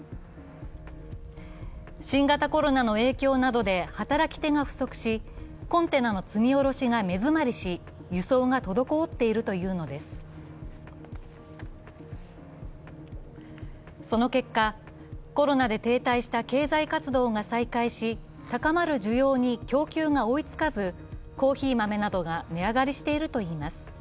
新型コロナの影響などで働き手が不足し、コンテナの積み下ろしが目詰まりし、輸送が滞っているというのですその結果、コロナで停滞した経済活動が再開し、高まる需要に供給が追いつかず、コーヒー豆などが値上がりしているといいます。